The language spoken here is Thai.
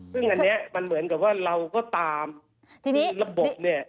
ซึ่งอันนี้เหมือนกับว่าเราก็ตามระบบเนี่ย